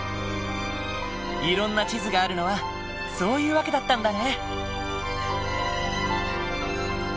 いろんな地図があるのはそういう訳だったんだね。